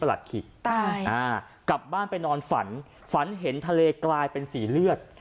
ไปพันที่ประหลัดขิดตายอ่ากลับบ้านไปนอนฝันฝันเห็นทะเลกลายเป็นสีเลือด